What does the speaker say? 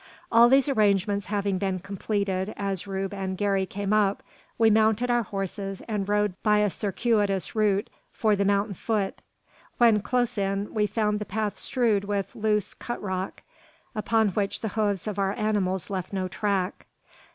All these arrangements having been completed as Rube and Garey came up, we mounted our horses and rode by a circuitous route for the mountain foot. When close in, we found the path strewed with loose cut rock, upon which the hoofs of our animals left no track.